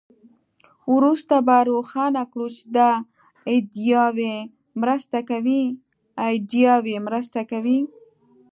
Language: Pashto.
وروسته به روښانه کړو چې دا ایډیاوې مرسته کوي